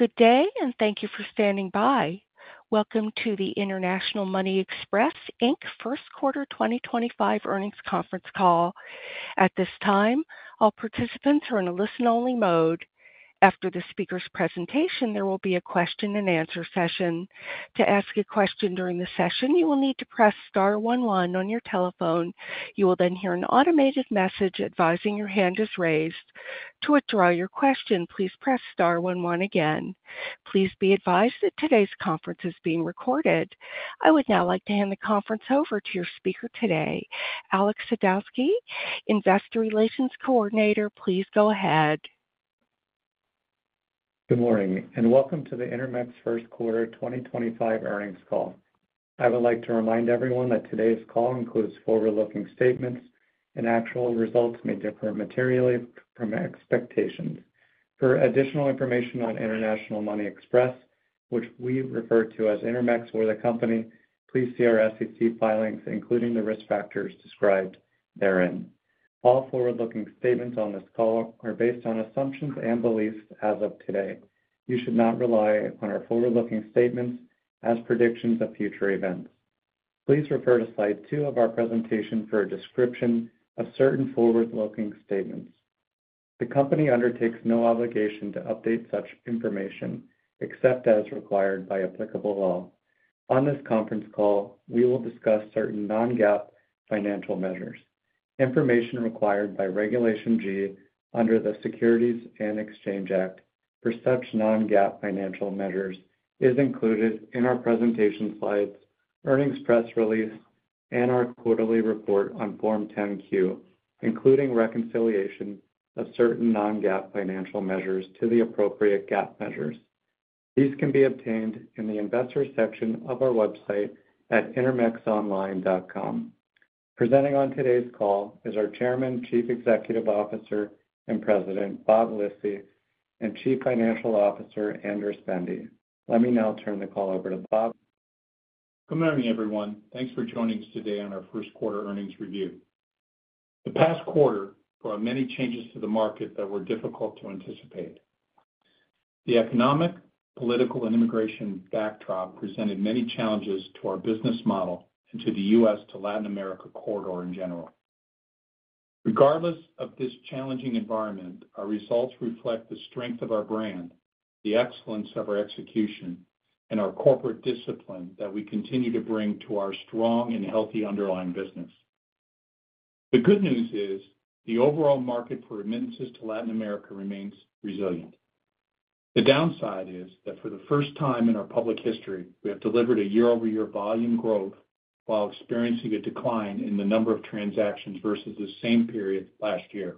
Good day, and thank you for standing by. Welcome to the International Money Express Inc First Quarter 2025 earnings conference call. At this time, all participants are in a listen-only mode. After the speaker's presentation, there will be a question-and-answer session. To ask a question during the session, you will need to press star 11 on your telephone. You will then hear an automated message advising your hand is raised. To withdraw your question, please press star 11 again. Please be advised that today's conference is being recorded. I would now like to hand the conference over to your speaker today, Alex Sadowski, Investor Relations Coordinator. Please go ahead. Good morning, and welcome to the Intermex First Quarter 2025 earnings call. I would like to remind everyone that today's call includes forward-looking statements, and actual results may differ materially from expectations. For additional information on International Money Express, which we refer to as Intermex, we're the company. Please see our SEC filings, including the risk factors described therein. All forward-looking statements on this call are based on assumptions and beliefs as of today. You should not rely on our forward-looking statements as predictions of future events. Please refer to slide two of our presentation for a description of certain forward-looking statements. The company undertakes no obligation to update such information except as required by applicable law. On this conference call, we will discuss certain non-GAAP financial measures. Information required by Regulation G under the Securities and Exchange Act for such non-GAAP financial measures is included in our presentation slides, earnings press release, and our quarterly report on Form 10Q, including reconciliation of certain non-GAAP financial measures to the appropriate GAAP measures. These can be obtained in the investor section of our website at intermexonline.com. Presenting on today's call is our Chairman, Chief Executive Officer, and President Bob Lisy, and Chief Financial Officer, Andras Bende. Let me now turn the call over to Bob. Good morning, everyone. Thanks for joining us today on our first quarter earnings review. The past quarter brought many changes to the market that were difficult to anticipate. The economic, political, and immigration backdrop presented many challenges to our business model and to the U.S. to Latin America corridor in general. Regardless of this challenging environment, our results reflect the strength of our brand, the excellence of our execution, and our corporate discipline that we continue to bring to our strong and healthy underlying business. The good news is the overall market for remittances to Latin America remains resilient. The downside is that for the first time in our public history, we have delivered a year-over-year volume growth while experiencing a decline in the number of transactions versus the same period last year.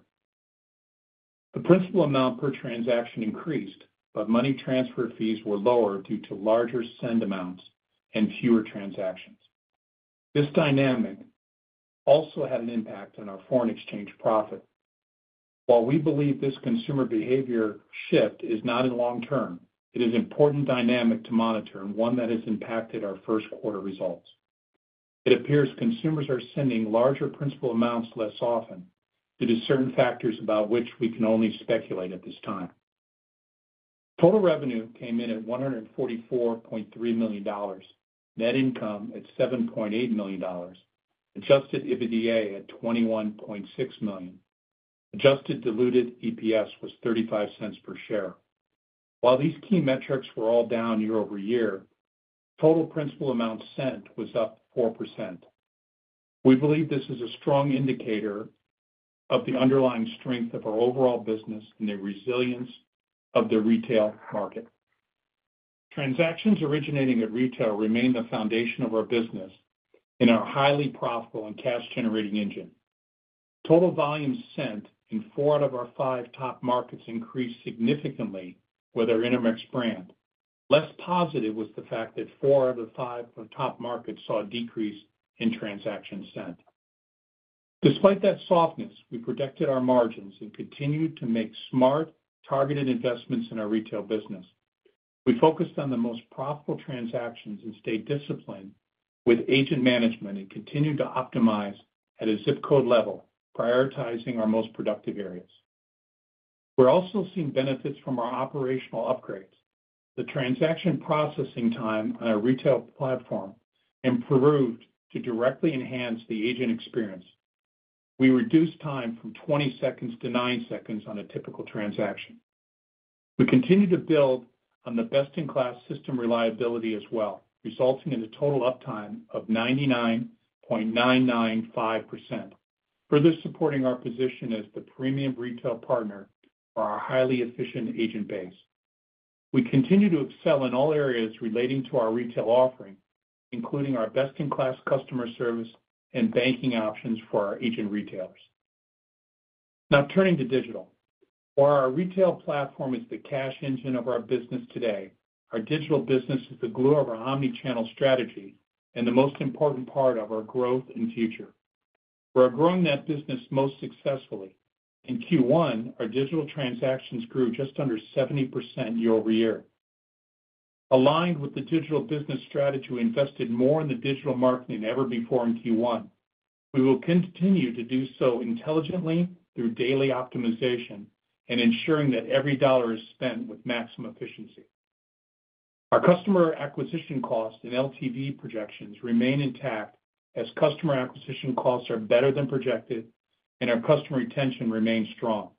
The principal amount per transaction increased, but money transfer fees were lower due to larger send amounts and fewer transactions. This dynamic also had an impact on our foreign exchange profit. While we believe this consumer behavior shift is not in the long term, it is an important dynamic to monitor and one that has impacted our first quarter results. It appears consumers are sending larger principal amounts less often due to certain factors about which we can only speculate at this time. Total revenue came in at $144.3 million, net income at $7.8 million, adjusted EBITDA at $21.6 million, adjusted diluted EPS was $0.35 per share. While these key metrics were all down year over year, total principal amount sent was up 4%. We believe this is a strong indicator of the underlying strength of our overall business and the resilience of the retail market. Transactions originating at retail remain the foundation of our business and are a highly profitable and cash-generating engine. Total volumes sent in four out of our five top markets increased significantly with our Intermex brand. Less positive was the fact that four out of the five top markets saw a decrease in transactions sent. Despite that softness, we protected our margins and continued to make smart, targeted investments in our retail business. We focused on the most profitable transactions and stayed disciplined with agent management and continued to optimize at a zip code level, prioritizing our most productive areas. We're also seeing benefits from our operational upgrades. The transaction processing time on our retail platform improved to directly enhance the agent experience. We reduced time from 20 seconds to 9 seconds on a typical transaction. We continue to build on the best-in-class system reliability as well, resulting in a total uptime of 99.995%, further supporting our position as the premium retail partner for our highly efficient agent base. We continue to excel in all areas relating to our retail offering, including our best-in-class customer service and banking options for our agent retailers. Now turning to digital. While our retail platform is the cash engine of our business today, our digital business is the glue of our omnichannel strategy and the most important part of our growth and future. We're growing that business most successfully. In Q1, our digital transactions grew just under 70% year over year. Aligned with the digital business strategy, we invested more in the digital market than ever before in Q1. We will continue to do so intelligently through daily optimization and ensuring that every dollar is spent with maximum efficiency. Our customer acquisition costs and LTV projections remain intact as customer acquisition costs are better than projected, and our customer retention remains strong.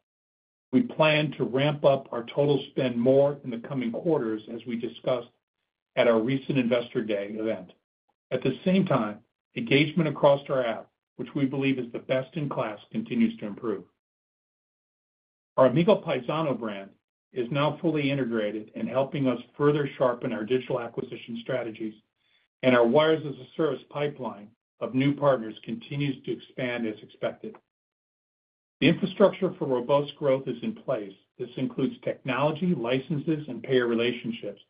We plan to ramp up our total spend more in the coming quarters, as we discussed at our recent Investor Day event. At the same time, engagement across our app, which we believe is the best in class, continues to improve. Our Amigo Paisano brand is now fully integrated and helping us further sharpen our digital acquisition strategies, and our wires-as-a-service pipeline of new partners continues to expand as expected. The infrastructure for robust growth is in place. This includes technology, licenses, and payer relationships,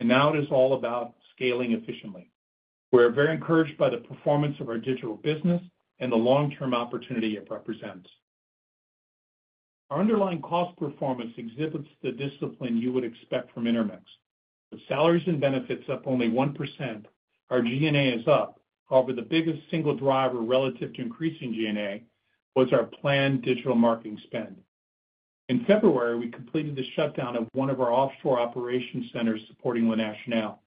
and now it is all about scaling efficiently. We're very encouraged by the performance of our digital business and the long-term opportunity it represents. Our underlying cost performance exhibits the discipline you would expect from Intermex. With salaries and benefits up only 1%, our G&A is up. However, the biggest single driver relative to increasing G&A was our planned digital marketing spend. In February, we completed the shutdown of one of our offshore operations centers supporting La Nationale.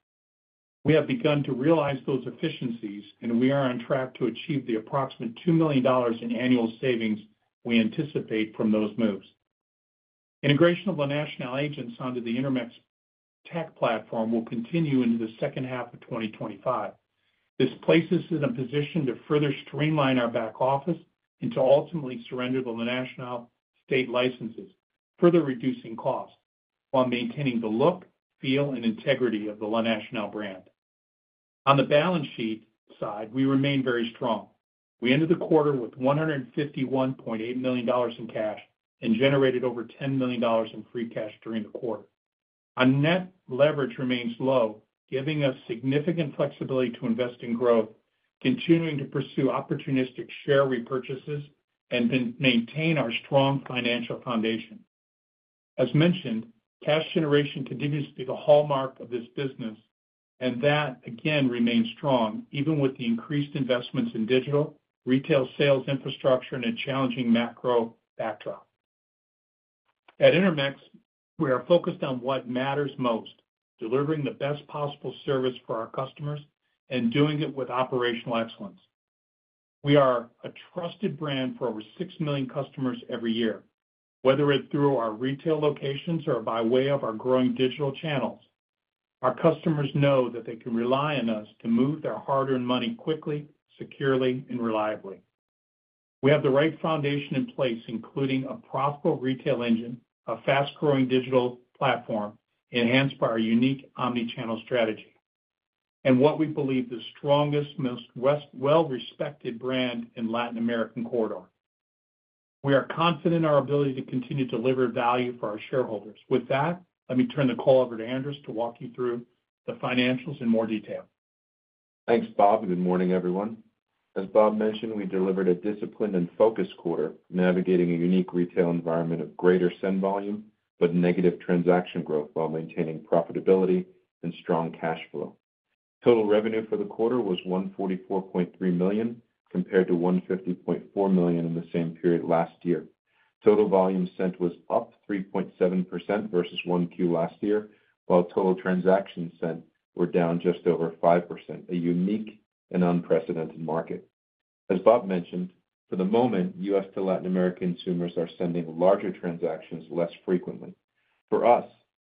We have begun to realize those efficiencies, and we are on track to achieve the approximate $2 million in annual savings we anticipate from those moves. Integration of La Nationale agents onto the Intermex tech platform will continue into the second half of 2025. This places us in a position to further streamline our back office and to ultimately surrender the La Nationale state licenses, further reducing costs while maintaining the look, feel, and integrity of the La Nationale brand. On the balance sheet side, we remain very strong. We ended the quarter with $151.8 million in cash and generated over $10 million in free cash during the quarter. Our net leverage remains low, giving us significant flexibility to invest in growth, continuing to pursue opportunistic share repurchases, and maintain our strong financial foundation. As mentioned, cash generation continues to be the hallmark of this business, and that, again, remains strong even with the increased investments in digital, retail sales infrastructure, and a challenging macro backdrop. At Intermex, we are focused on what matters most: delivering the best possible service for our customers and doing it with operational excellence. We are a trusted brand for over 6 million customers every year, whether it's through our retail locations or by way of our growing digital channels. Our customers know that they can rely on us to move their hard-earned money quickly, securely, and reliably. We have the right foundation in place, including a profitable retail engine, a fast-growing digital platform enhanced by our unique omnichannel strategy, and what we believe the strongest, most well-respected brand in the Latin American corridor. We are confident in our ability to continue to deliver value for our shareholders. With that, let me turn the call over to Andras to walk you through the financials in more detail. Thanks, Bob, and good morning, everyone. As Bob mentioned, we delivered a disciplined and focused quarter, navigating a unique retail environment of greater send volume but negative transaction growth while maintaining profitability and strong cash flow. Total revenue for the quarter was $144.3 million compared to $150.4 million in the same period last year. Total volume sent was up 3.7% versus 1Q last year, while total transactions sent were down just over 5%, a unique and unprecedented market. As Bob mentioned, for the moment, U.S. to Latin American consumers are sending larger transactions less frequently. For us,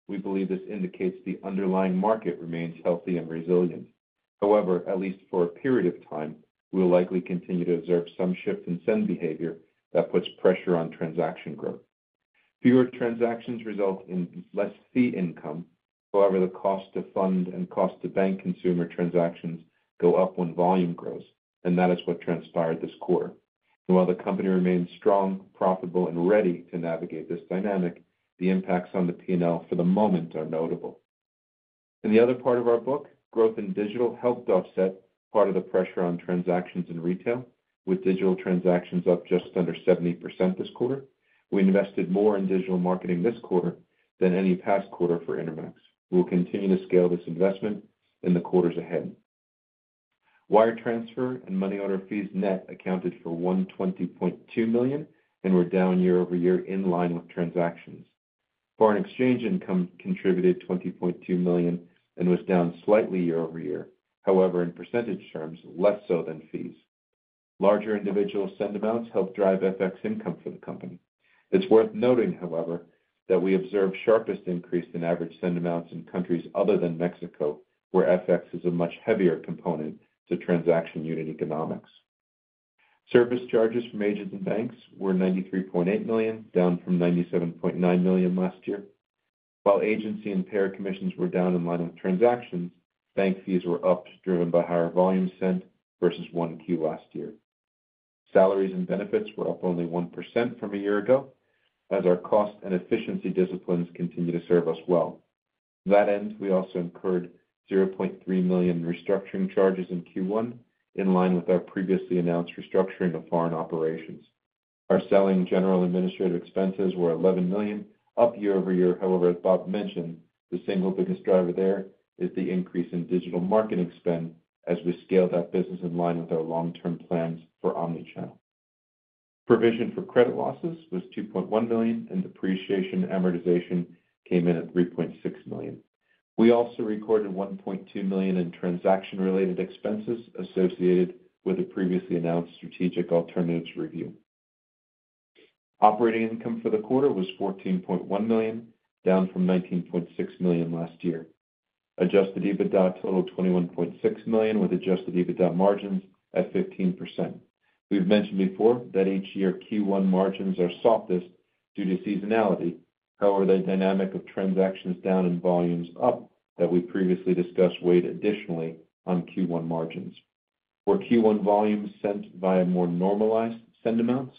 we believe this indicates the underlying market remains healthy and resilient. However, at least for a period of time, we will likely continue to observe some shift in send behavior that puts pressure on transaction growth. Fewer transactions result in less fee income. However, the cost-to-fund and cost-to-bank consumer transactions go up when volume grows, and that is what transpired this quarter. While the company remains strong, profitable, and ready to navigate this dynamic, the impacts on the P&L for the moment are notable. In the other part of our book, growth in digital helped offset part of the pressure on transactions in retail, with digital transactions up just under 70% this quarter. We invested more in digital marketing this quarter than any past quarter for Intermex. We will continue to scale this investment in the quarters ahead. Wire transfer and money order fees net accounted for $120.2 million and were down year over year, in line with transactions. Foreign exchange income contributed $20.2 million and was down slightly year over year. However, in percentage terms, less so than fees. Larger individual send amounts helped drive FX income for the company. It's worth noting, however, that we observed the sharpest increase in average send amounts in countries other than Mexico, where FX is a much heavier component to transaction unit economics. Service charges from agents and banks were $93.8 million, down from $97.9 million last year. While agency and payer commissions were down in line with transactions, bank fees were up, driven by higher volume sent versus 1Q last year. Salaries and benefits were up only 1% from a year ago as our cost and efficiency disciplines continue to serve us well. To that end, we also incurred $0.3 million in restructuring charges in Q1, in line with our previously announced restructuring of foreign operations. Our selling general administrative expenses were $11 million, up year over year. However, as Bob mentioned, the single biggest driver there is the increase in digital marketing spend as we scale that business in line with our long-term plans for omnichannel. Provision for credit losses was $2.1 million, and depreciation amortization came in at $3.6 million. We also recorded $1.2 million in transaction-related expenses associated with the previously announced strategic alternatives review. Operating income for the quarter was $14.1 million, down from $19.6 million last year. Adjusted EBITDA totaled $21.6 million, with adjusted EBITDA margins at 15%. We've mentioned before that each year Q1 margins are softest due to seasonality. However, the dynamic of transactions down and volumes up that we previously discussed weighed additionally on Q1 margins. For Q1 volumes sent via more normalized send amounts,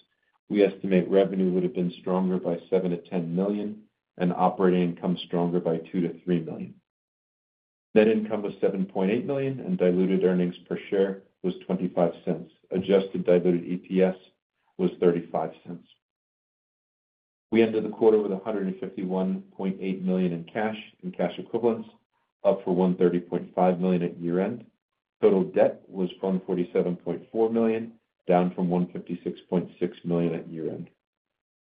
we estimate revenue would have been stronger by $7-$10 million and operating income stronger by $2-$3 million. Net income was $7.8 million, and diluted earnings per share was $0.25. Adjusted diluted EPS was $0.35. We ended the quarter with $151.8 million in cash and cash equivalents, up from $130.5 million at year-end. Total debt was $147.4 million, down from $156.6 million at year-end.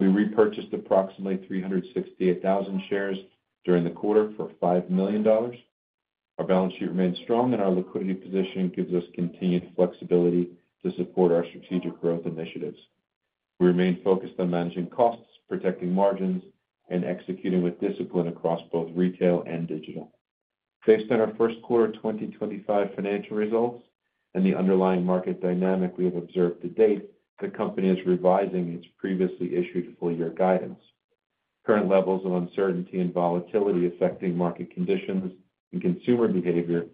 We repurchased approximately 368,000 shares during the quarter for $5 million. Our balance sheet remained strong, and our liquidity position gives us continued flexibility to support our strategic growth initiatives. We remain focused on managing costs, protecting margins, and executing with discipline across both retail and digital. Based on our first quarter 2025 financial results and the underlying market dynamic we have observed to date, the company is revising its previously issued full-year guidance. Current levels of uncertainty and volatility affecting market conditions and consumer behavior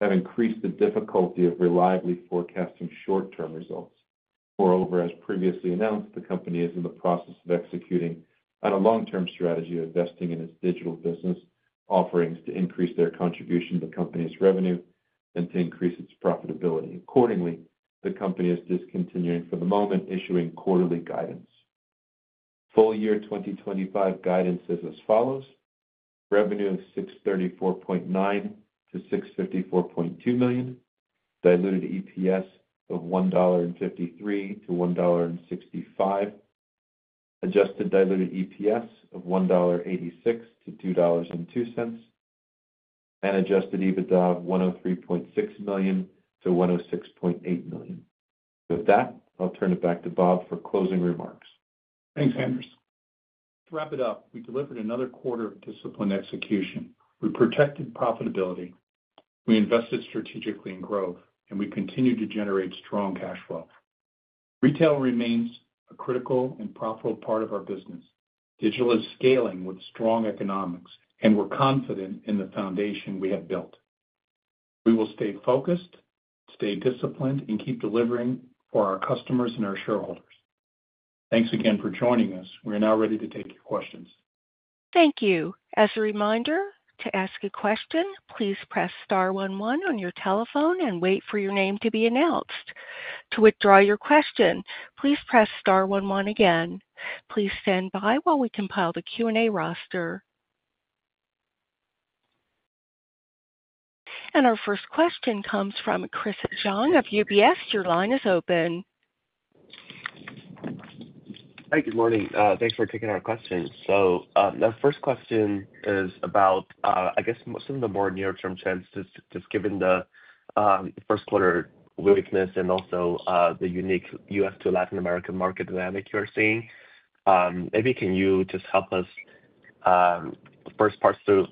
have increased the difficulty of reliably forecasting short-term results. Moreover, as previously announced, the company is in the process of executing on a long-term strategy of investing in its digital business offerings to increase their contribution to the company's revenue and to increase its profitability. Accordingly, the company is discontinuing, for the moment, issuing quarterly guidance. Full-year 2025 guidance is as follows: Revenue of $634.9-$654.2 million, diluted EPS of $1.53-$1.65, adjusted diluted EPS of $1.86-$2.02, and adjusted EBITDA of $103.6-$106.8 million. With that, I'll turn it back to Bob for closing remarks. Thanks, Andras. To wrap it up, we delivered another quarter of disciplined execution. We protected profitability. We invested strategically in growth, and we continue to generate strong cash flow. Retail remains a critical and profitable part of our business. Digital is scaling with strong economics, and we're confident in the foundation we have built. We will stay focused, stay disciplined, and keep delivering for our customers and our shareholders. Thanks again for joining us. We are now ready to take your questions. Thank you. As a reminder, to ask a question, please press star 11 on your telephone and wait for your name to be announced. To withdraw your question, please press star 11 again. Please stand by while we compile the Q&A roster. Our first question comes from Chris Zhang of UBS. Your line is open. Hey, good morning. Thanks for taking our questions. The first question is about, I guess, some of the more near-term trends, just given the first quarter weakness and also the unique U.S. to Latin American market dynamic you're seeing. Maybe can you just help us first parse through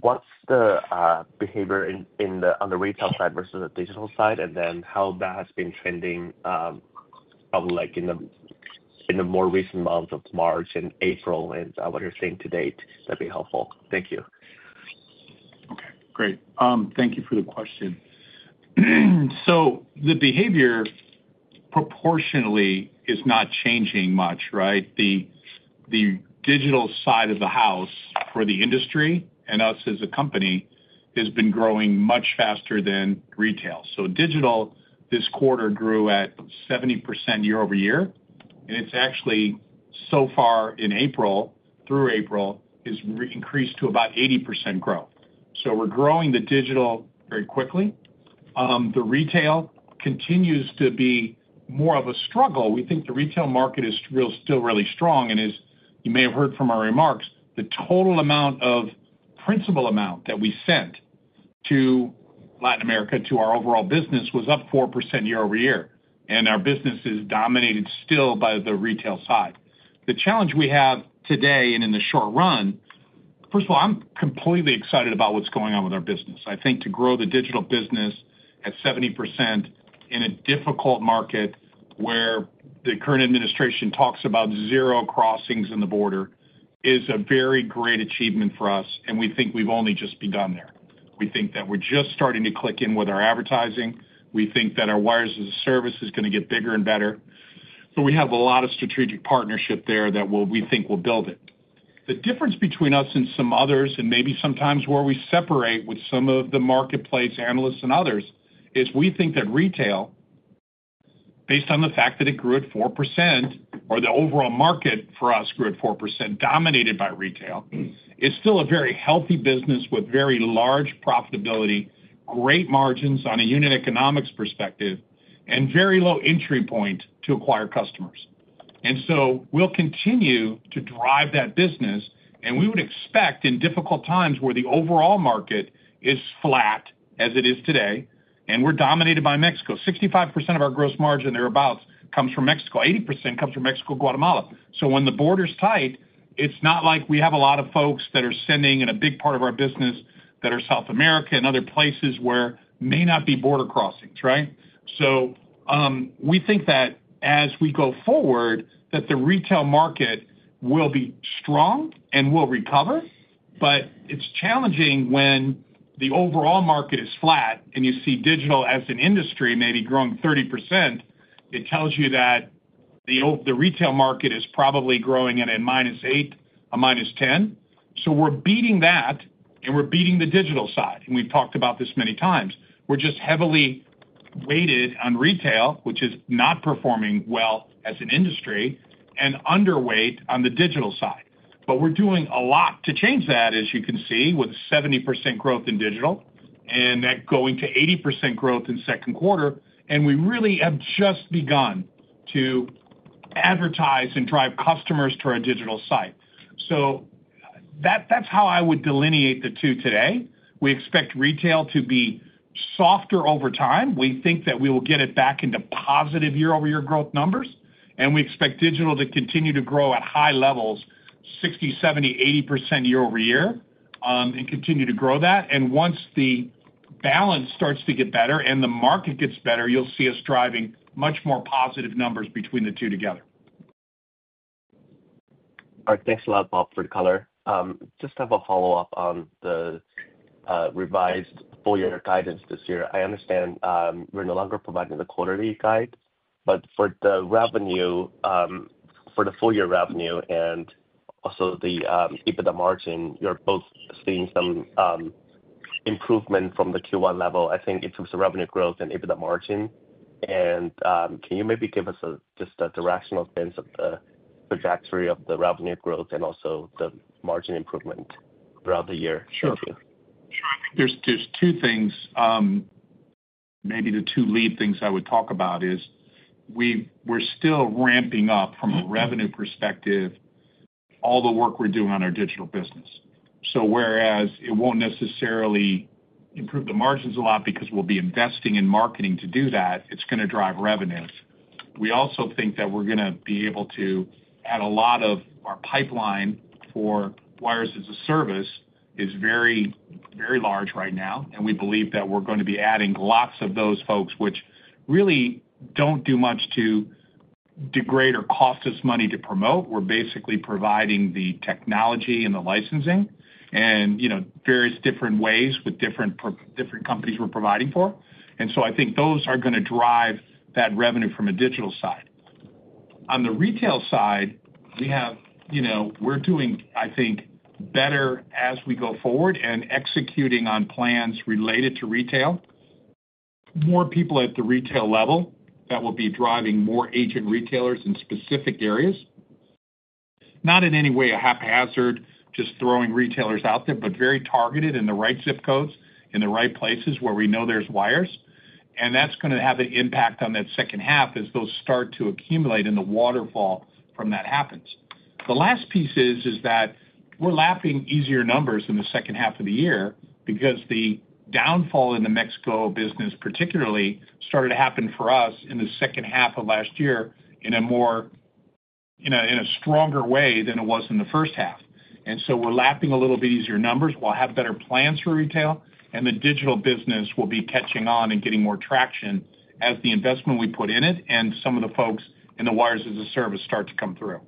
what's the behavior on the retail side versus the digital side, and then how that has been trending probably in the more recent months of March and April and what you're seeing to date? That'd be helpful. Thank you. Okay. Great. Thank you for the question. The behavior proportionately is not changing much, right? The digital side of the house for the industry and us as a company has been growing much faster than retail. Digital this quarter grew at 70% year over year, and it's actually so far in April, through April, has increased to about 80% growth. We're growing the digital very quickly. The retail continues to be more of a struggle. We think the retail market is still really strong. As you may have heard from our remarks, the total amount of principal amount that we sent to Latin America to our overall business was up 4% year over year. Our business is dominated still by the retail side. The challenge we have today and in the short run—first of all, I'm completely excited about what's going on with our business. I think to grow the digital business at 70% in a difficult market where the current administration talks about zero crossings in the border is a very great achievement for us, and we think we've only just begun there. We think that we're just starting to click in with our advertising. We think that our wires-as-a-service is going to get bigger and better. We have a lot of strategic partnership there that we think will build it. The difference between us and some others, and maybe sometimes where we separate with some of the marketplace analysts and others, is we think that retail, based on the fact that it grew at 4% or the overall market for us grew at 4%, dominated by retail, is still a very healthy business with very large profitability, great margins on a unit economics perspective, and very low entry point to acquire customers. We will continue to drive that business. We would expect in difficult times where the overall market is flat as it is today, and we are dominated by Mexico, 65% of our gross margin thereabouts comes from Mexico, 80% comes from Mexico, Guatemala. When the border's tight, it's not like we have a lot of folks that are sending in a big part of our business that are South America and other places where may not be border crossings, right? We think that as we go forward, the retail market will be strong and will recover. It is challenging when the overall market is flat and you see digital as an industry maybe growing 30%. It tells you that the retail market is probably growing at a minus 8%, a minus 10%. We're beating that, and we're beating the digital side. We've talked about this many times. We're just heavily weighted on retail, which is not performing well as an industry, and underweight on the digital side. We are doing a lot to change that, as you can see, with 70% growth in digital and that going to 80% growth in second quarter. We really have just begun to advertise and drive customers to our digital site. That is how I would delineate the two today. We expect retail to be softer over time. We think that we will get it back into positive year-over-year growth numbers. We expect digital to continue to grow at high levels, 60%, 70%, 80% year over year, and continue to grow that. Once the balance starts to get better and the market gets better, you will see us driving much more positive numbers between the two together. All right. Thanks a lot, Bob, for the color. Just have a follow-up on the revised full-year guidance this year. I understand we're no longer providing the quarterly guide, but for the revenue, for the full-year revenue and also the EBITDA margin, you're both seeing some improvement from the Q1 level. I think in terms of revenue growth and EBITDA margin. Can you maybe give us just a directional sense of the trajectory of the revenue growth and also the margin improvement throughout the year? Thank you. Sure. There are two things. Maybe the two lead things I would talk about is we are still ramping up, from a revenue perspective, all the work we are doing on our digital business. Whereas it will not necessarily improve the margins a lot because we will be investing in marketing to do that, it is going to drive revenue. We also think that we are going to be able to add a lot. Our pipeline for wires-as-a-service is very, very large right now. We believe that we are going to be adding lots of those folks, which really do not do much to degrade or cost us money to promote. We are basically providing the technology and the licensing and various different ways with different companies we are providing for. I think those are going to drive that revenue from a digital side. On the retail side, we're doing, I think, better as we go forward and executing on plans related to retail. More people at the retail level that will be driving more agent retailers in specific areas. Not in any way a haphazard, just throwing retailers out there, but very targeted in the right zip codes in the right places where we know there's wires. That is going to have an impact on that second half as those start to accumulate and the waterfall from that happens. The last piece is that we're lapping easier numbers in the second half of the year because the downfall in the Mexico business particularly started to happen for us in the second half of last year in a stronger way than it was in the first half. We are lapping a little bit easier numbers. We'll have better plans for retail, and the digital business will be catching on and getting more traction as the investment we put in it and some of the folks in the Wires-as-a-Service start to come through.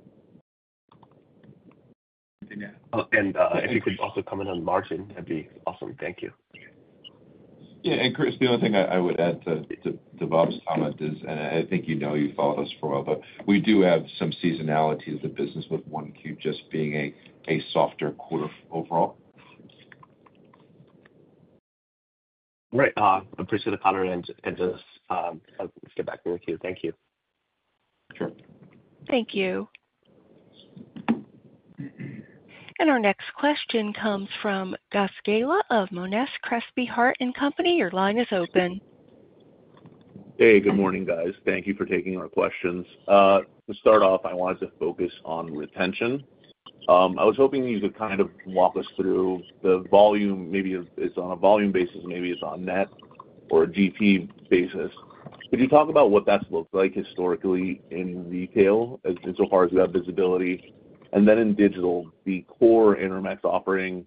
If you could also comment on margin, that'd be awesome. Thank you. Yeah. Chris, the only thing I would add to Bob's comment is, and I think you know you've followed us for a while, but we do have some seasonality of the business with Q1 just being a softer quarter overall. Right. I appreciate the color and just let's get back to the Q. Thank you. Sure. Thank you. Our next question comes from Gus Gala of Monness Crespi Hardt & Company. Your line is open. Hey, good morning, guys. Thank you for taking our questions. To start off, I wanted to focus on retention. I was hoping you could kind of walk us through the volume, maybe it's on a volume basis, maybe it's on net or GP basis. Could you talk about what that's looked like historically in retail insofar as you have visibility? In digital, the core Intermex offering,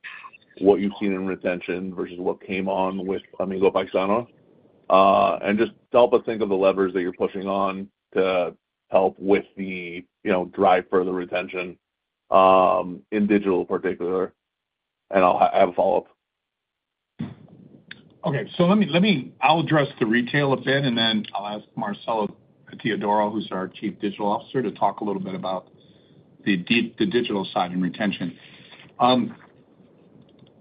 what you've seen in retention versus what came on with Amigo Paisano, and just help us think of the levers that you're pushing on to help with the drive for the retention in digital particular. I'll have a follow-up. Okay. Let me—I'll address the retail a bit, and then I'll ask Marcelo Theodoro, who's our Chief Digital Officer, to talk a little bit about the digital side and retention.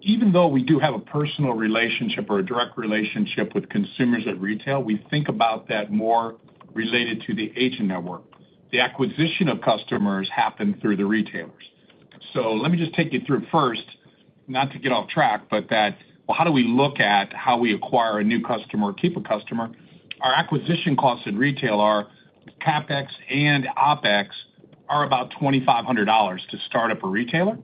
Even though we do have a personal relationship or a direct relationship with consumers at retail, we think about that more related to the agent network. The acquisition of customers happens through the retailers. Let me just take you through first, not to get off track, but that, how do we look at how we acquire a new customer or keep a customer? Our acquisition costs in retail are CapEx and OpEx are about $2,500 to start up a retailer.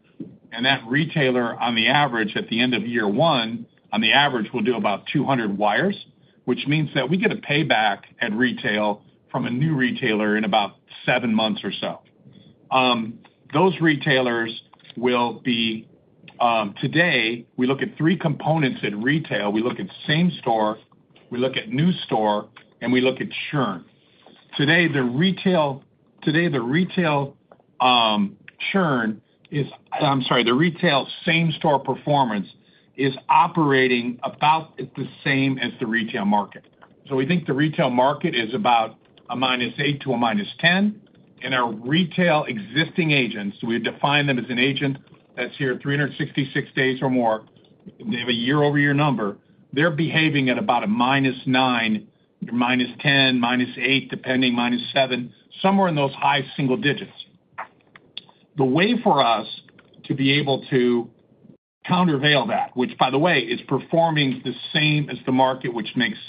That retailer, on the average, at the end of year one, on the average, will do about 200 wires, which means that we get a payback at retail from a new retailer in about seven months or so. Those retailers will be—today, we look at three components in retail. We look at same store, we look at new store, and we look at churn. Today, the retail churn is—I'm sorry, the retail same store performance is operating about the same as the retail market. We think the retail market is about a -8% to a -10%. Our retail existing agents, we define them as an agent that's here 366 days or more. They have a year-over-year number. They're behaving at about a -9%, -10%, -8%, depending, -7%, somewhere in those high single digits. The way for us to be able to countervail that, which, by the way, is performing the same as the market, which makes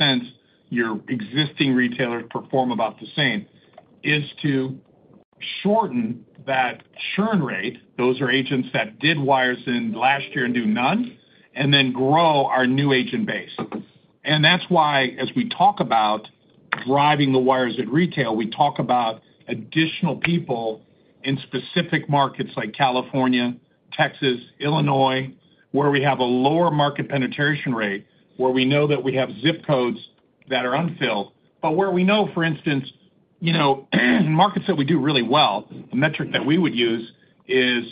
sense—your existing retailers perform about the same—is to shorten that churn rate. Those are agents that did wires in last year and do none, and then grow our new agent base. That is why, as we talk about driving the wires at retail, we talk about additional people in specific markets like California, Texas, Illinois, where we have a lower market penetration rate, where we know that we have zip codes that are unfilled, but where we know, for instance, in markets that we do really well, a metric that we would use is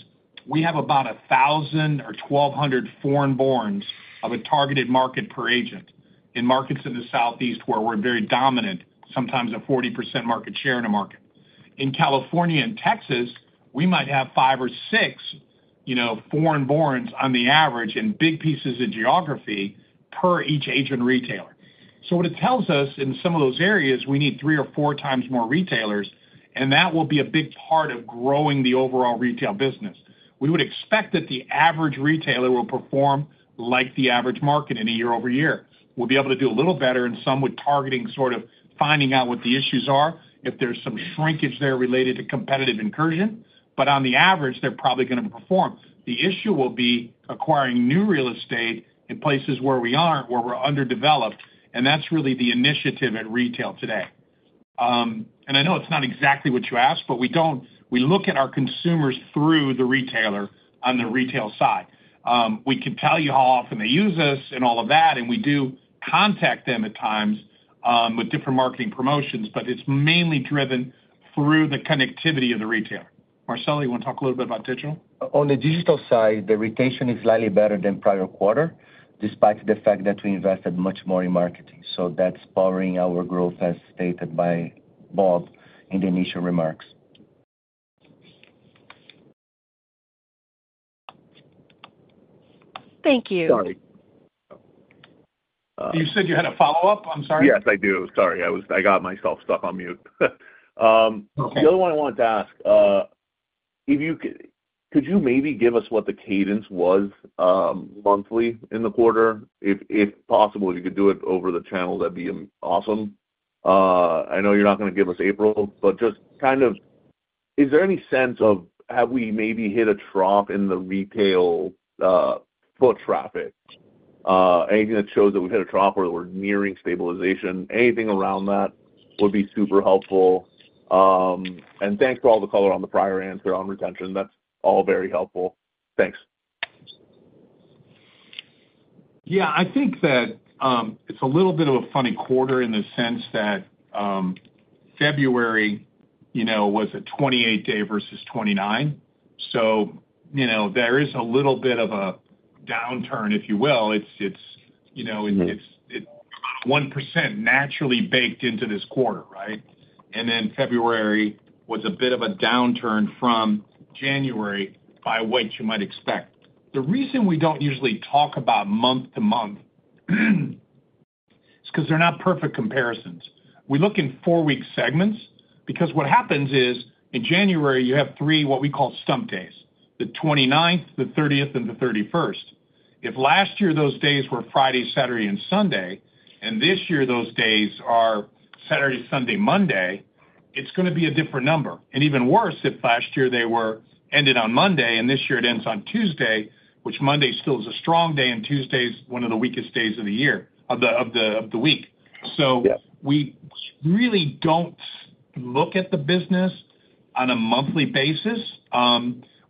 we have about 1,000 or 1,200 foreign borns of a targeted market per agent in markets in the Southeast where we are very dominant, sometimes a 40% market share in a market. In California and Texas, we might have five or six foreign borns on the average in big pieces of geography per each agent retailer. What it tells us in some of those areas, we need three or four times more retailers, and that will be a big part of growing the overall retail business. We would expect that the average retailer will perform like the average market in a year-over-year. We'll be able to do a little better in some with targeting, sort of finding out what the issues are, if there's some shrinkage there related to competitive incursion. On the average, they're probably going to perform. The issue will be acquiring new real estate in places where we aren't, where we're underdeveloped. That is really the initiative at retail today. I know it's not exactly what you asked, but we look at our consumers through the retailer on the retail side. We can tell you how often they use us and all of that, and we do contact them at times with different marketing promotions, but it's mainly driven through the connectivity of the retailer. Marcelo, you want to talk a little bit about digital? On the digital side, the retention is slightly better than prior quarter, despite the fact that we invested much more in marketing. That is powering our growth, as stated by Bob in the initial remarks. Thank you. Sorry. You said you had a follow-up? I'm sorry. Yes, I do. Sorry. I got myself stuck on mute. The other one I wanted to ask, could you maybe give us what the cadence was monthly in the quarter? If possible, if you could do it over the channel, that'd be awesome. I know you're not going to give us April, but just kind of is there any sense of have we maybe hit a trough in the retail foot traffic? Anything that shows that we've hit a trough or we're nearing stabilization? Anything around that would be super helpful. Thanks for all the color on the prior answer on retention. That's all very helpful. Thanks. Yeah. I think that it's a little bit of a funny quarter in the sense that February was a 28-day versus 29. So there is a little bit of a downturn, if you will. It's 1% naturally baked into this quarter, right? And then February was a bit of a downturn from January by what you might expect. The reason we don't usually talk about month to month is because they're not perfect comparisons. We look in four-week segments because what happens is in January, you have three what we call stump days: the 29th, the 30th, and the 31st. If last year those days were Friday, Saturday, and Sunday, and this year those days are Saturday, Sunday, Monday, it's going to be a different number. Even worse, if last year they ended on Monday and this year it ends on Tuesday, which Monday still is a strong day and Tuesday is one of the weakest days of the week. We really do not look at the business on a monthly basis.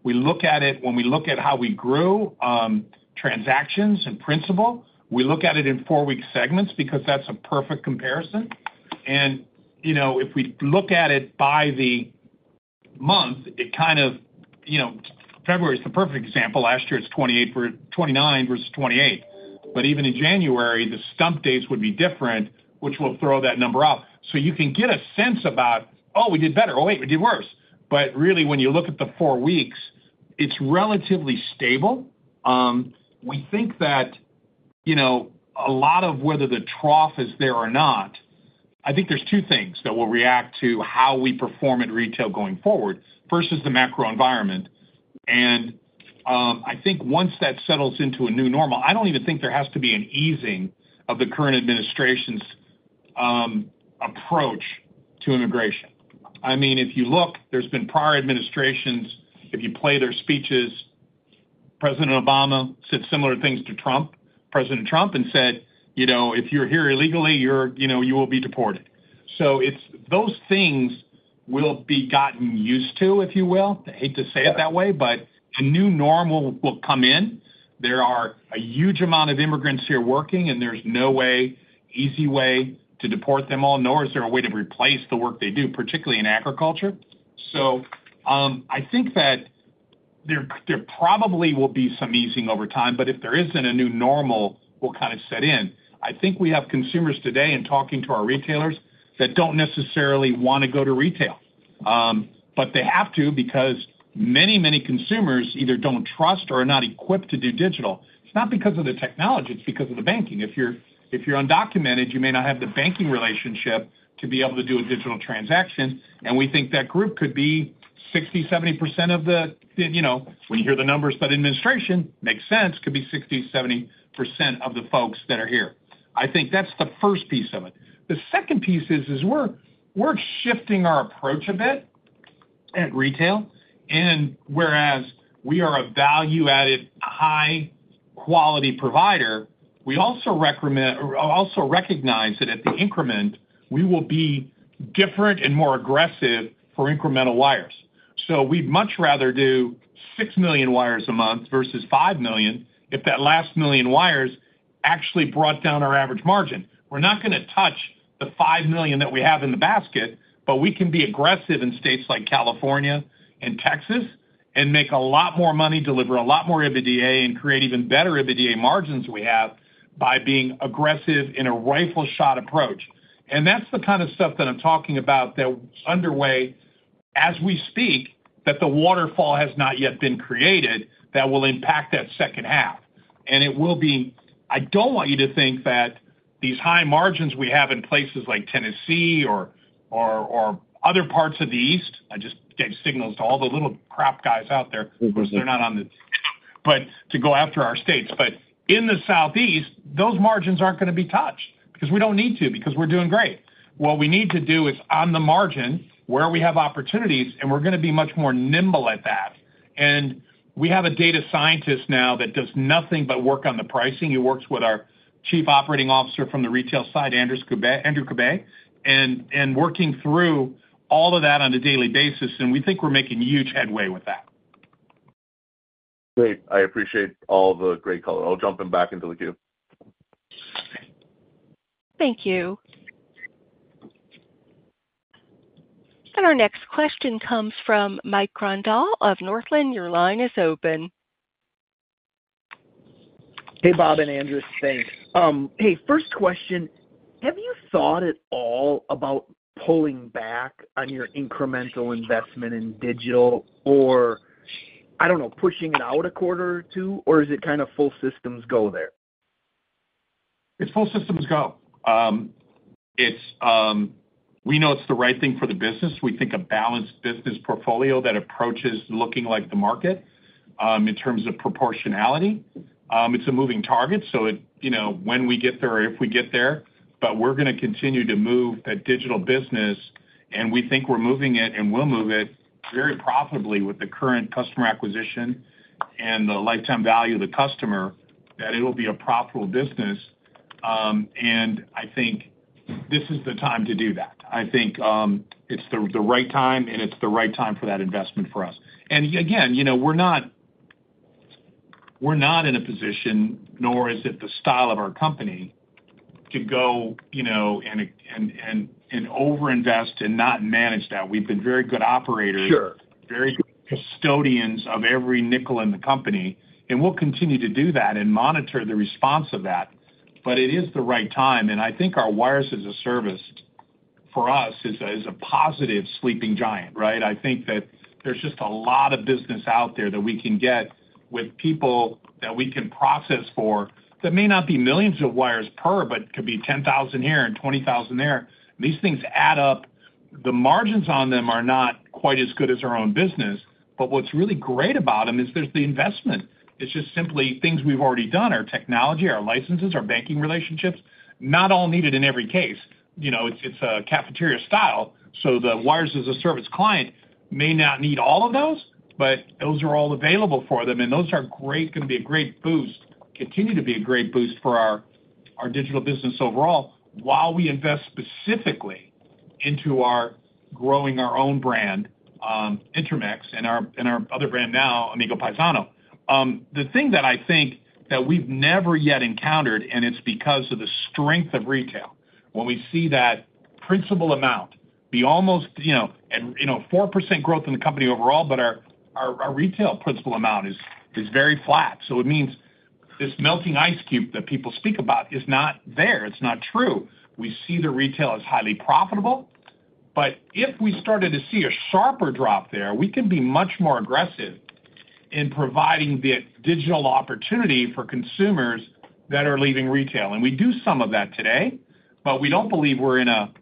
We look at it when we look at how we grew transactions and principal. We look at it in four-week segments because that is a perfect comparison. If we look at it by the month, February is the perfect example. Last year it is 29 versus 28. Even in January, the stump days would be different, which will throw that number up. You can get a sense about, "Oh, we did better. Oh, wait, we did worse." Really, when you look at the four weeks, it is relatively stable. We think that a lot of whether the trough is there or not, I think there are two things that will react to how we perform at retail going forward versus the macro environment. I think once that settles into a new normal, I do not even think there has to be an easing of the current administration's approach to immigration. I mean, if you look, there have been prior administrations, if you play their speeches, President Obama said similar things to President Trump, and said, "If you are here illegally, you will be deported." Those things will be gotten used to, if you will. I hate to say it that way, but a new normal will come in. There are a huge number of immigrants here working, and there is no easy way to deport them all, nor is there a way to replace the work they do, particularly in agriculture. I think that there probably will be some easing over time, but if there is not a new normal, we will kind of set in. I think we have consumers today and talking to our retailers that do not necessarily want to go to retail, but they have to because many, many consumers either do not trust or are not equipped to do digital. It is not because of the technology. It is because of the banking. If you are undocumented, you may not have the banking relationship to be able to do a digital transaction. We think that group could be 60-70% of the, when you hear the numbers for the administration, makes sense, could be 60-70% of the folks that are here. I think that is the first piece of it. The second piece is we are shifting our approach a bit at retail. Whereas we are a value-added, high-quality provider, we also recognize that at the increment, we will be different and more aggressive for incremental wires. We would much rather do 6 million wires a month versus 5 million if that last million wires actually brought down our average margin. We are not going to touch the 5 million that we have in the basket, but we can be aggressive in states like California and Texas and make a lot more money, deliver a lot more EBITDA, and create even better EBITDA margins we have by being aggressive in a rifle-shot approach. That is the kind of stuff that I am talking about that is underway as we speak, that the waterfall has not yet been created that will impact that second half. I do not want you to think that these high margins we have in places like Tennessee or other parts of the East—I just gave signals to all the little crap guys out there. They are not on the—but to go after our states. In the Southeast, those margins are not going to be touched because we do not need to, because we are doing great. What we need to do is on the margin where we have opportunities, and we are going to be much more nimble at that. We have a data scientist now that does nothing but work on the pricing. He works with our Chief Operating Officer from the retail side, Andrew Cabay, and working through all of that on a daily basis. We think we are making huge headway with that. Great. I appreciate all the great color. I'll jump back into the queue. Thank you. Our next question comes from Mike Crandall of Northland. Your line is open. Hey, Bob and Andrew. Thanks. Hey, first question. Have you thought at all about pulling back on your incremental investment in digital or, I don't know, pushing it out a quarter or two, or is it kind of full systems go there? It's full systems go. We know it's the right thing for the business. We think a balanced business portfolio that approaches looking like the market in terms of proportionality. It's a moving target. When we get there, if we get there, we're going to continue to move that digital business, and we think we're moving it and will move it very profitably with the current customer acquisition and the lifetime value of the customer, that it'll be a profitable business. I think this is the time to do that. I think it's the right time, and it's the right time for that investment for us. Again, we're not in a position, nor is it the style of our company to go and overinvest and not manage that. We've been very good operators, very good custodians of every nickel in the company. We will continue to do that and monitor the response of that. It is the right time. I think our Wires-as-a-Service for us is a positive sleeping giant, right? I think that there is just a lot of business out there that we can get with people that we can process for that may not be millions of wires per, but could be 10,000 here and 20,000 there. These things add up. The margins on them are not quite as good as our own business. What is really great about them is there is the investment. It is just simply things we have already done, our technology, our licenses, our banking relationships, not all needed in every case. It is a cafeteria style. The Wires-as-a-Service client may not need all of those, but those are all available for them. Those are great, going to be a great boost, continue to be a great boost for our digital business overall while we invest specifically into our growing our own brand, Intermex, and our other brand now, Amigo Paisano. The thing that I think that we've never yet encountered, and it's because of the strength of retail, when we see that principal amount be almost 4% growth in the company overall, but our retail principal amount is very flat. It means this melting ice cube that people speak about is not there. It's not true. We see the retail as highly profitable. If we started to see a sharper drop there, we can be much more aggressive in providing the digital opportunity for consumers that are leaving retail. We do some of that today, but we do not believe we are in a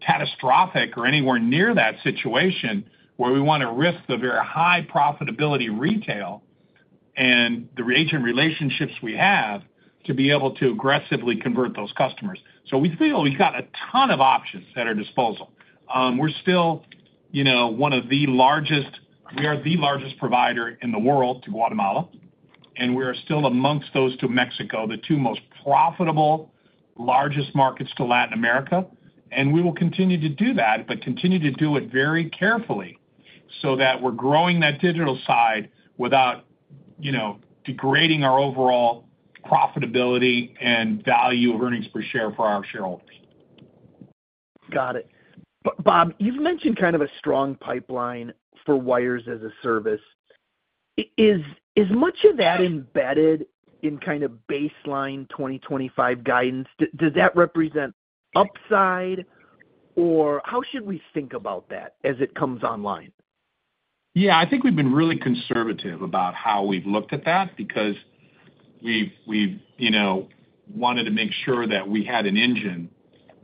catastrophic or anywhere near that situation where we want to risk the very high profitability retail and the agent relationships we have to be able to aggressively convert those customers. We feel we have a ton of options at our disposal. We are still one of the largest—we are the largest provider in the world to Guatemala. We are still amongst those to Mexico, the two most profitable, largest markets to Latin America. We will continue to do that, but continue to do it very carefully so that we are growing that digital side without degrading our overall profitability and value of earnings per share for our shareholders. Got it. Bob, you've mentioned kind of a strong pipeline for Wires-as-a-Service. Is much of that embedded in kind of baseline 2025 guidance? Does that represent upside? Or how should we think about that as it comes online? Yeah. I think we've been really conservative about how we've looked at that because we've wanted to make sure that we had an engine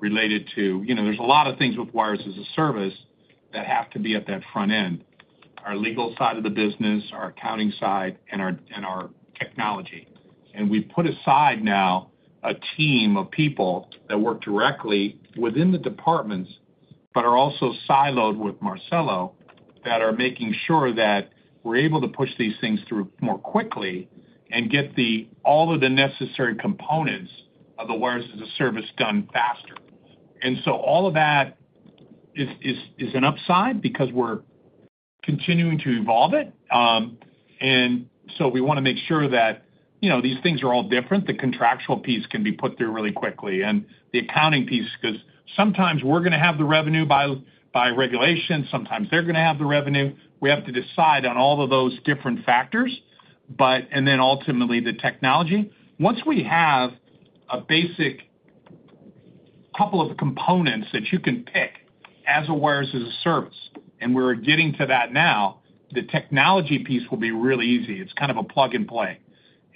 related to—there's a lot of things with wires-as-a-service that have to be at that front end: our legal side of the business, our accounting side, and our technology. We've put aside now a team of people that work directly within the departments but are also siloed with Marcelo that are making sure that we're able to push these things through more quickly and get all of the necessary components of the wires-as-a-service done faster. All of that is an upside because we're continuing to evolve it. We want to make sure that these things are all different, the contractual piece can be put through really quickly, and the accounting piece because sometimes we're going to have the revenue by regulation. Sometimes they're going to have the revenue. We have to decide on all of those different factors. Ultimately, the technology. Once we have a basic couple of components that you can pick as a Wires-as-a-Service, and we're getting to that now, the technology piece will be really easy. It's kind of a plug and play.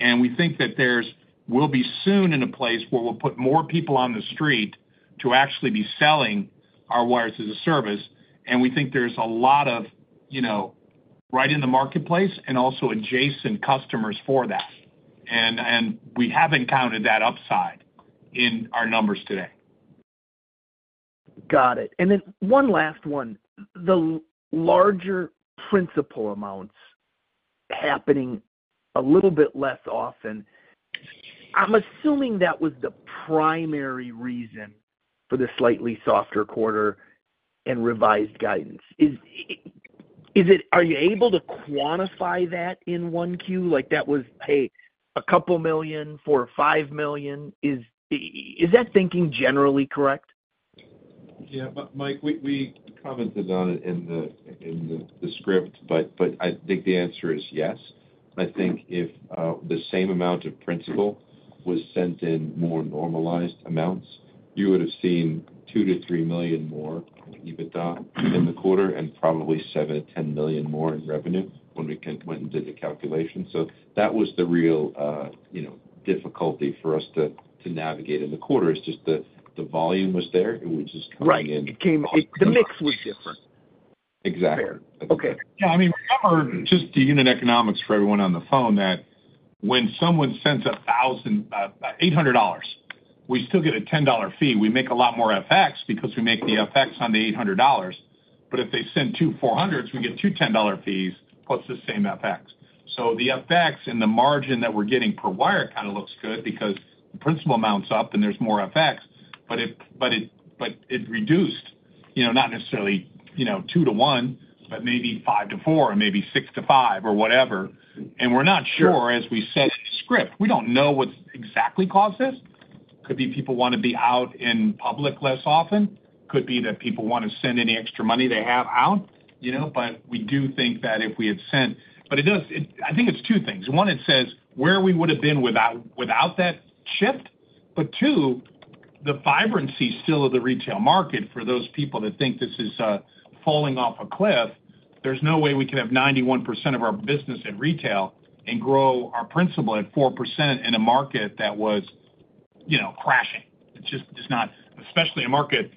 We think that there will be soon in a place where we'll put more people on the street to actually be selling our Wires-as-a-Service. We think there's a lot of right in the marketplace and also adjacent customers for that. We have encountered that upside in our numbers today. Got it. And then one last one. The larger principal amounts happening a little bit less often. I'm assuming that was the primary reason for the slightly softer quarter and revised guidance. Are you able to quantify that in Q1? Like that was, hey, a couple million or $5 million. Is that thinking generally correct? Yeah. Mike, we commented on it in the script, but I think the answer is yes. I think if the same amount of principal was sent in more normalized amounts, you would have seen $2-3 million more EBITDA in the quarter and probably $7-10 million more in revenue when we went and did the calculation. That was the real difficulty for us to navigate in the quarter. The volume was there. It was just coming in. Right. The mix was different. Exactly. Fair. Okay. Yeah. I mean, remember just the unit economics for everyone on the phone that when someone sends $800, we still get a $10 fee. We make a lot more FX because we make the FX on the $800. If they send two $400s, we get two $10 fees plus the same FX. The FX and the margin that we're getting per wire kind of looks good because the principal amount is up and there's more FX, but it reduced not necessarily 2-1, but maybe 5-4 or maybe 6-5 or whatever. We're not sure, as we said in the script, we don't know what exactly caused this. Could be people want to be out in public less often. Could be that people want to send any extra money they have out. We do think that if we had sent—but I think it's two things. One, it says where we would have been without that shift. Two, the vibrancy still of the retail market for those people that think this is falling off a cliff, there's no way we can have 91% of our business in retail and grow our principal at 4% in a market that was crashing. It's just not, especially a market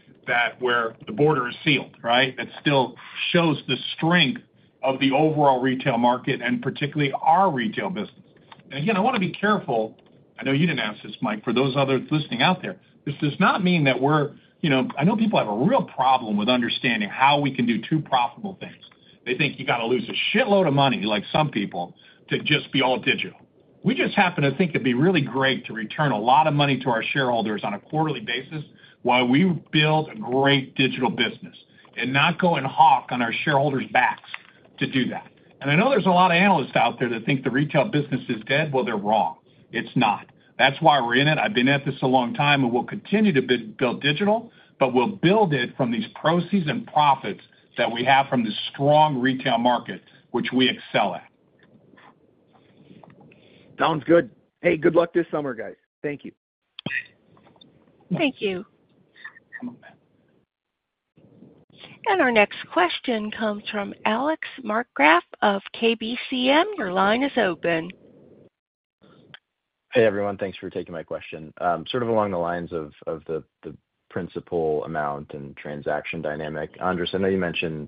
where the border is sealed, right? That still shows the strength of the overall retail market and particularly our retail business. Again, I want to be careful. I know you didn't ask this, Mike, for those others listening out there. This does not mean that we're—I know people have a real problem with understanding how we can do two profitable things. They think you got to lose a shitload of money like some people to just be all digital. We just happen to think it'd be really great to return a lot of money to our shareholders on a quarterly basis while we build a great digital business and not go and hawk on our shareholders' backs to do that. I know there's a lot of analysts out there that think the retail business is dead. They're wrong. It's not. That's why we're in it. I've been at this a long time, and we'll continue to build digital, but we'll build it from these proceeds and profits that we have from the strong retail market, which we excel at. Sounds good. Hey, good luck this summer, guys. Thank you. Thank you. Our next question comes from Alex Markgraff of KBCM. Your line is open. Hey, everyone. Thanks for taking my question. Sort of along the lines of the principal amount and transaction dynamic, Andres, I know you mentioned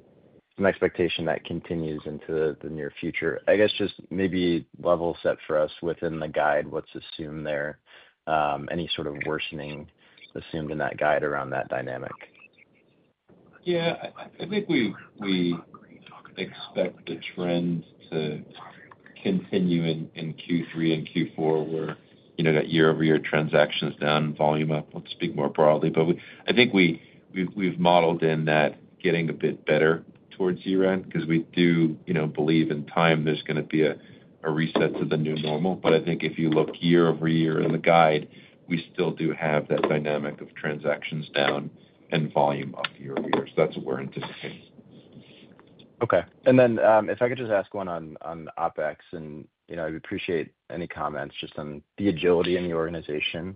an expectation that continues into the near future. I guess just maybe level set for us within the guide, what's assumed there, any sort of worsening assumed in that guide around that dynamic? Yeah. I think we expect the trend to continue in Q3 and Q4 where that year-over-year transactions down, volume up. Let's speak more broadly. I think we've modeled in that getting a bit better towards year-end because we do believe in time there's going to be a reset to the new normal. I think if you look year-over-year in the guide, we still do have that dynamic of transactions down and volume up year-over-year. That's what we're anticipating. Okay. If I could just ask one on OpEx, I'd appreciate any comments just on the agility in the organization.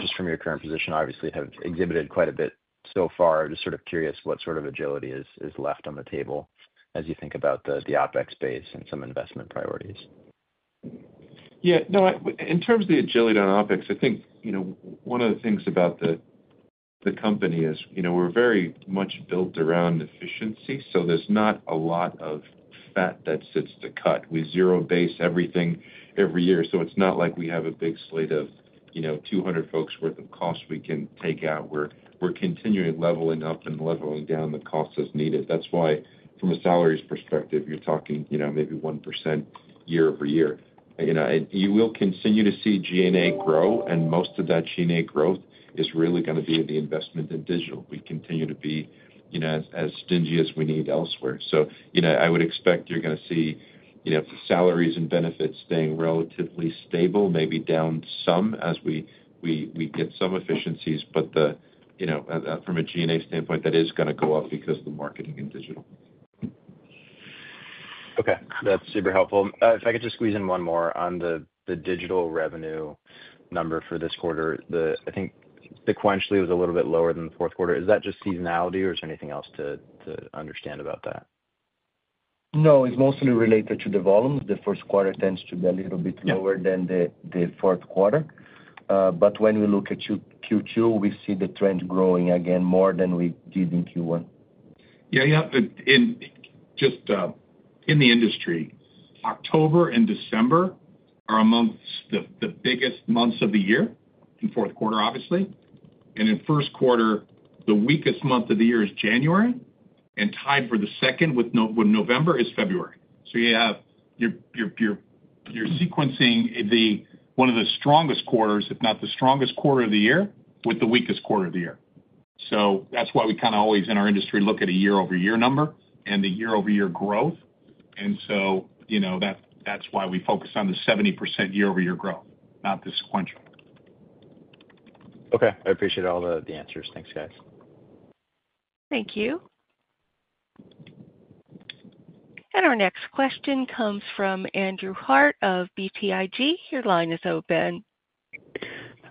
Just from your current position, obviously, you have exhibited quite a bit so far. Just sort of curious what sort of agility is left on the table as you think about the OpEx base and some investment priorities. Yeah. No, in terms of the agility on OpEx, I think one of the things about the company is we're very much built around efficiency. So there's not a lot of fat that sits to cut. We zero-base everything every year. It's not like we have a big slate of 200 folks' worth of costs we can take out. We're continually leveling up and leveling down the costs as needed. That's why from a salaries perspective, you're talking maybe 1% year-over-year. You will continue to see G&A grow, and most of that G&A growth is really going to be the investment in digital. We continue to be as stingy as we need elsewhere. I would expect you're going to see salaries and benefits staying relatively stable, maybe down some as we get some efficiencies. From a G&A standpoint, that is going to go up because of the marketing and digital. Okay. That's super helpful. If I could just squeeze in one more on the digital revenue number for this quarter, I think sequentially it was a little bit lower than the fourth quarter. Is that just seasonality, or is there anything else to understand about that? No, it's mostly related to the volumes. The first quarter tends to be a little bit lower than the fourth quarter. When we look at Q2, we see the trend growing again more than we did in Q1. Yeah. Yeah. Just in the industry, October and December are amongst the biggest months of the year in fourth quarter, obviously. In first quarter, the weakest month of the year is January. Tied for the second with November is February. You have your sequencing, one of the strongest quarters, if not the strongest quarter of the year, with the weakest quarter of the year. That is why we kind of always in our industry look at a year-over-year number and the year-over-year growth. That is why we focus on the 70% year-over-year growth, not the sequential. Okay. I appreciate all the answers. Thanks, guys. Thank you. Our next question comes from Andrew Harte of BTIG. Your line is open.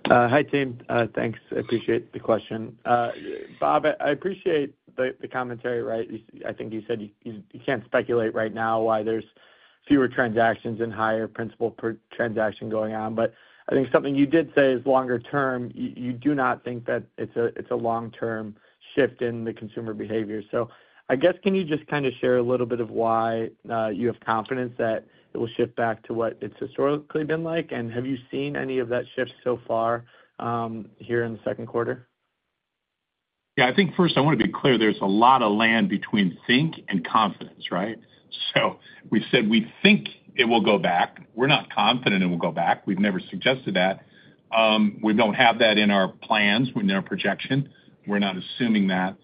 Hi, team. Thanks. I appreciate the question. Bob, I appreciate the commentary, right? I think you said you can't speculate right now why there's fewer transactions and higher principal per transaction going on. I think something you did say is longer term, you do not think that it's a long-term shift in the consumer behavior. I guess can you just kind of share a little bit of why you have confidence that it will shift back to what it's historically been like? Have you seen any of that shift so far here in the second quarter? Yeah. I think first I want to be clear. There is a lot of land between think and confidence, right? We said we think it will go back. We are not confident it will go back. We have never suggested that. We do not have that in our plans or in our projection. We are not assuming that.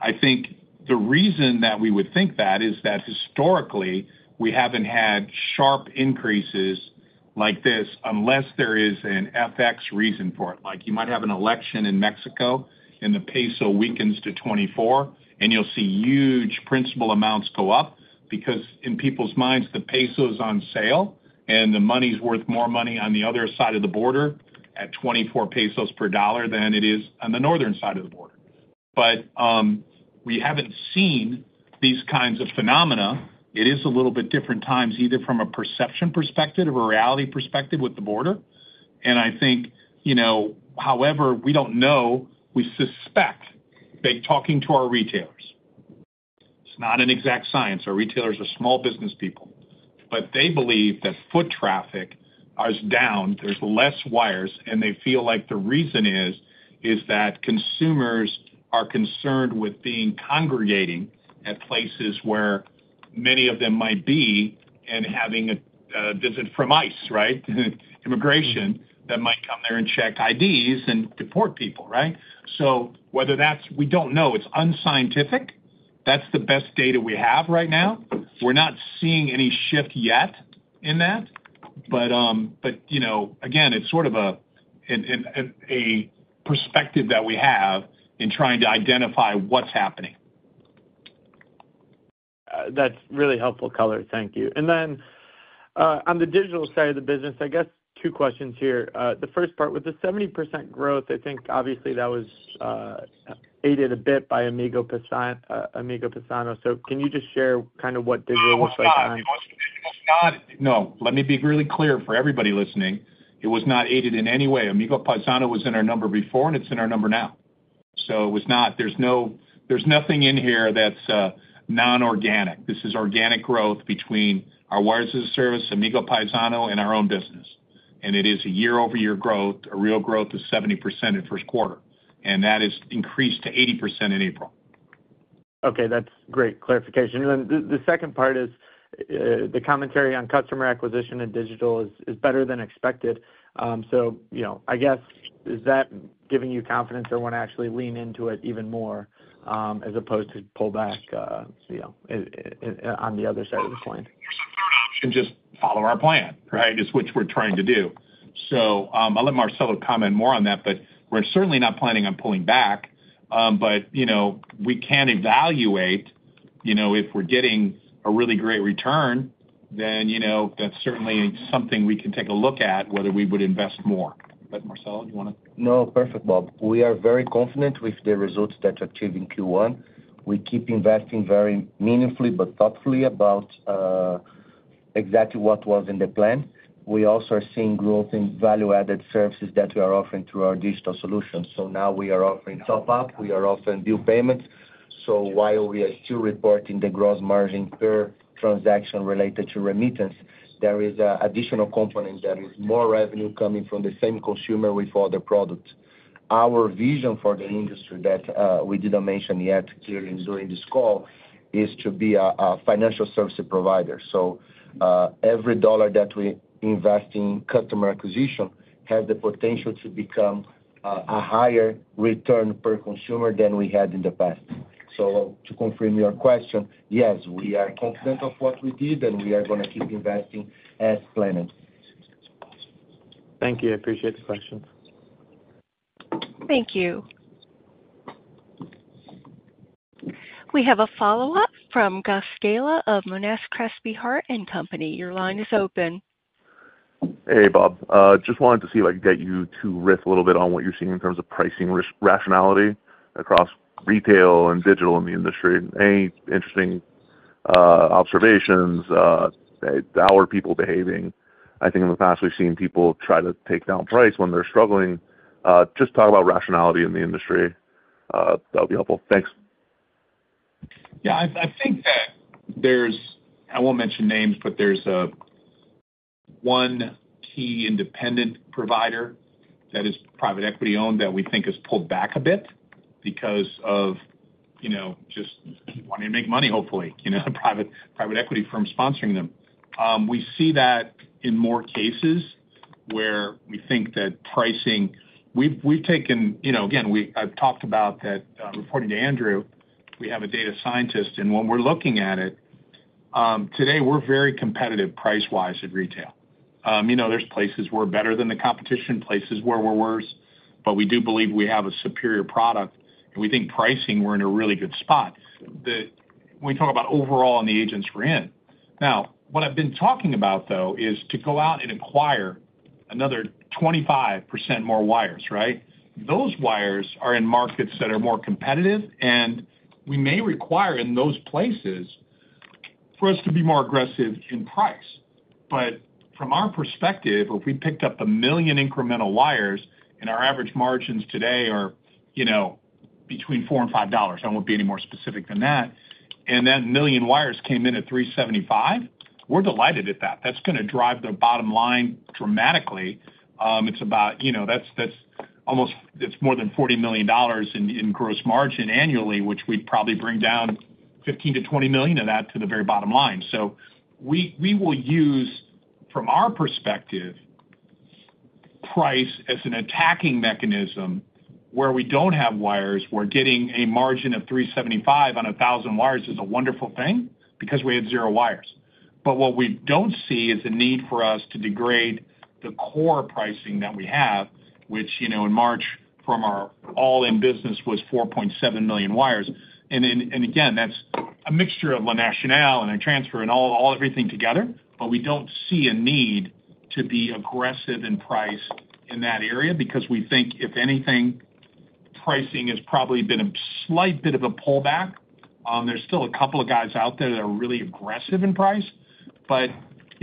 I think the reason that we would think that is that historically we have not had sharp increases like this unless there is an FX reason for it. You might have an election in Mexico and the peso weakens to 24, and you will see huge principal amounts go up because in people's minds, the peso is on sale and the money is worth more money on the other side of the border at 24 pesos per dollar than it is on the northern side of the border. We have not seen these kinds of phenomena. It is a little bit different times either from a perception perspective or a reality perspective with the border. I think however, we don't know. We suspect, they're talking to our retailers. It's not an exact science. Our retailers are small business people, but they believe that foot traffic is down. There's less wires, and they feel like the reason is that consumers are concerned with being congregating at places where many of them might be and having a visit from ICE, right? Immigration that might come there and check IDs and deport people, right? Whether that's, we don't know. It's unscientific. That's the best data we have right now. We're not seeing any shift yet in that. Again, it's sort of a perspective that we have in trying to identify what's happening. That's really helpful, Color. Thank you. On the digital side of the business, I guess two questions here. The first part with the 70% growth, I think obviously that was aided a bit by Amigo Paisano. Can you just share kind of what digital looks like? It was not. No. Let me be really clear for everybody listening. It was not aided in any way. Amigo Paisano was in our number before, and it's in our number now. There is nothing in here that's non-organic. This is organic growth between our wires-as-a-service, Amigo Paisano, and our own business. It is a year-over-year growth, a real growth of 70% in first quarter. That has increased to 80% in April. Okay. That's great clarification. The second part is the commentary on customer acquisition and digital is better than expected. I guess is that giving you confidence or want to actually lean into it even more as opposed to pull back on the other side of the coin? There's a third option. Just follow our plan, right? It's what we're trying to do. I'll let Marcelo comment more on that, but we're certainly not planning on pulling back. We can evaluate if we're getting a really great return, then that's certainly something we can take a look at whether we would invest more. Marcelo, do you want to? No, perfect, Bob. We are very confident with the results that we achieved in Q1. We keep investing very meaningfully but thoughtfully about exactly what was in the plan. We also are seeing growth in value-added services that we are offering through our digital solutions. Now we are offering top-up. We are offering bill payments. While we are still reporting the gross margin per transaction related to remittance, there is an additional component that is more revenue coming from the same consumer with other products. Our vision for the industry that we did not mention yet during this call is to be a financial services provider. Every dollar that we invest in customer acquisition has the potential to become a higher return per consumer than we had in the past. To confirm your question, yes, we are confident of what we did, and we are going to keep investing as planned. Thank you. I appreciate the questions. Thank you. We have a follow-up from Gus Gala of Monness Crespi Hardt & Company. Your line is open. Hey, Bob. Just wanted to see if I could get you to riff a little bit on what you're seeing in terms of pricing rationality across retail and digital in the industry. Any interesting observations, how are people behaving? I think in the past we've seen people try to take down price when they're struggling. Just talk about rationality in the industry. That'll be helpful. Thanks. Yeah. I think that there's—I won't mention names, but there's one key independent provider that is private equity-owned that we think has pulled back a bit because of just wanting to make money, hopefully, private equity firms sponsoring them. We see that in more cases where we think that pricing—we've taken—again, I've talked about that reporting to Andrew. We have a data scientist, and when we're looking at it today, we're very competitive price-wise at retail. There's places we're better than the competition, places where we're worse, but we do believe we have a superior product. We think pricing, we're in a really good spot. When we talk about overall and the agents we're in. Now, what I've been talking about, though, is to go out and acquire another 25% more wires, right? Those wires are in markets that are more competitive, and we may require in those places for us to be more aggressive in price. From our perspective, if we picked up a million incremental wires and our average margins today are between $4-$5, I will not be any more specific than that, and that million wires came in at $3.75, we are delighted at that. That is going to drive the bottom line dramatically. It is about—that is almost—it is more than $40 million in gross margin annually, which we would probably bring down $15-$20 million of that to the very bottom line. We will use, from our perspective, price as an attacking mechanism where we do not have wires. We are getting a margin of $3.75 on 1,000 wires is a wonderful thing because we had zero wires. What we do not see is the need for us to degrade the core pricing that we have, which in March from our all-in business was 4.7 million wires. Again, that is a mixture of La Nationale and a transfer and everything together, but we do not see a need to be aggressive in price in that area because we think if anything, pricing has probably been a slight bit of a pullback. There are still a couple of guys out there that are really aggressive in price. You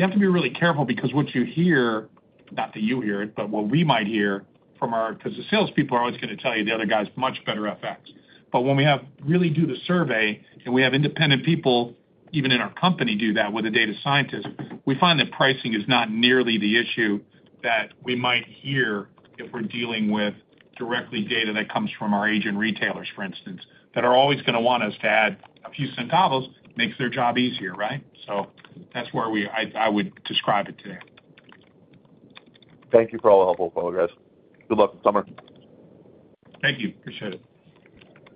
have to be really careful because what you hear—not that you hear it, but what we might hear from our—because the salespeople are always going to tell you the other guy's much better FX. When we have really done the survey and we have independent people, even in our company, do that with a data scientist, we find that pricing is not nearly the issue that we might hear if we're dealing with directly data that comes from our agent retailers, for instance, that are always going to want us to add a few centavos, makes their job easier, right? That's where I would describe it today. Thank you for all the help, guys. Good luck this summer. Thank you. Appreciate it.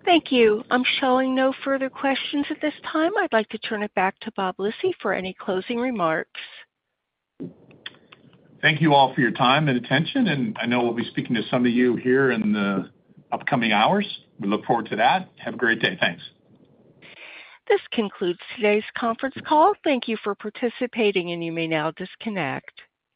Thank you. I'm showing no further questions at this time. I'd like to turn it back to Bob Lisy for any closing remarks. Thank you all for your time and attention. I know we'll be speaking to some of you here in the upcoming hours. We look forward to that. Have a great day. Thanks. This concludes today's conference call. Thank you for participating, and you may now disconnect.